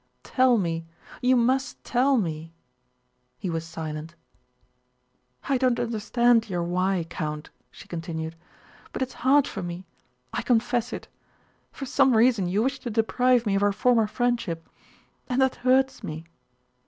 Tell me. You must tell me!" He was silent. "I don't understand your why, Count," she continued, "but it's hard for me... I confess it. For some reason you wish to deprive me of our former friendship. And that hurts me."